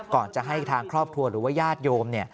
ก่อนจะให้ทางครอบครัวหรือว่าญาติโยมเนี่ย